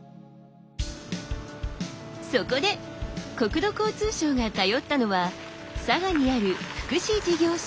そこで国土交通省が頼ったのは佐賀にある福祉事業所。